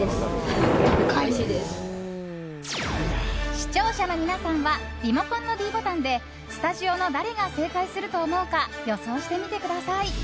視聴者の皆さんはリモコンのｄボタンでスタジオの誰が正解すると思うか予想してみてください。